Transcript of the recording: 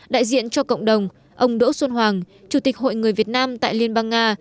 đại diện cho cộng đồng ông đỗ xuân hoàng chủ tịch hội người việt nam tại liên bang nga